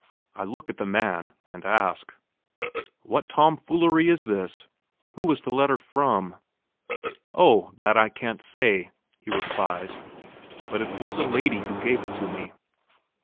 I look at the man, and ask: "What tomfoolery is this? Who is the letter from?" "Oh, that I can't say!" he replies; "but it was a lady who gave it to me."